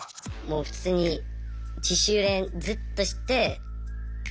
もう普通に自主練ずっとして学校行くとか。